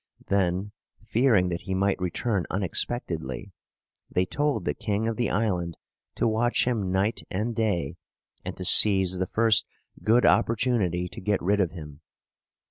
Then, fearing that he might return unexpectedly, they told the king of the island to watch him night and day, and to seize the first good opportunity to get rid of him.